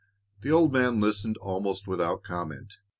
The old man listened almost without comment.